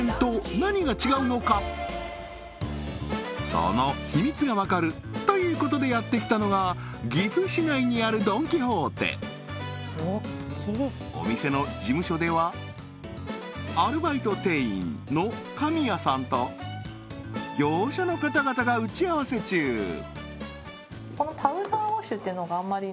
その秘密が分かるということでやってきたのが岐阜市内にあるドン・キホーテお店の事務所ではアルバイト店員の神谷さんと業者の方々が打ち合わせ中ああ